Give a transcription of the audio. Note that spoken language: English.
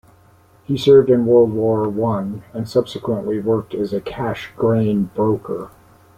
He served in World War One, and subsequently worked as a cash grain broker.